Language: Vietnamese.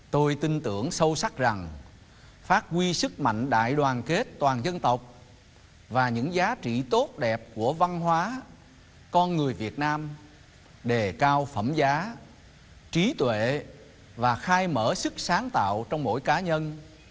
tôi tin tưởng sâu sắc rằng phát huy sức mạnh đại đoàn kết toàn dân tộc và những giá trị tốt đẹp của văn hóa con người việt nam đề cao phẩm giá trí tuệ và khai mở sức sáng tạo trong mỗi cá nhân